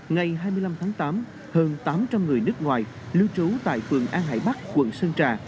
ngày hai mươi năm tháng tám hơn tám trăm linh người nước ngoài lưu trú tại phường an hải bắc quận sơn trà